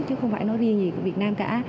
chứ không phải nói riêng gì của việt nam cả